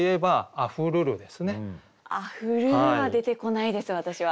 「あふるる」は出てこないです私は。